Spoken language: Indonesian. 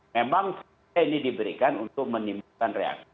memang ini diberikan untuk menimbulkan reaksi